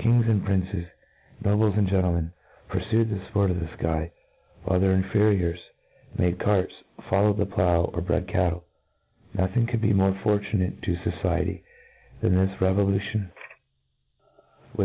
Kings and princes, pobles and gentlemen, purfued the fports of the Iky, while their inferiors made carts, followed the plow, or bred C2(ttle, Nothing could be more fprtunate to fqciety than this revolution, whiqh wa?